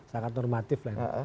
sangat normatif lah ya